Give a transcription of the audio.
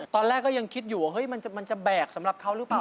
ตอนแรกก็ยังคิดอยู่ว่ามันจะแบกสำหรับเขาหรือเปล่า